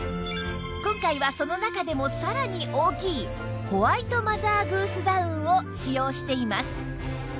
今回はその中でもさらに大きいホワイトマザーグースダウンを使用しています